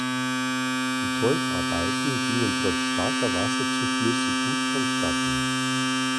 Die Teufarbeiten gingen trotz starker Wasserzuflüsse gut vonstatten.